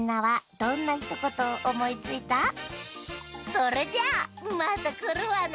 それじゃあまたくるわね。